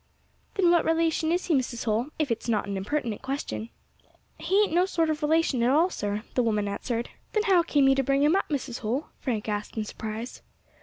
"Then what relation is he, Mrs. Holl, if it is not an impertinent question?" "He ain't no sort of relation at all, sir," the woman answered. "Then how came you to bring him up, Mrs. Holl?" Frank asked in surprise.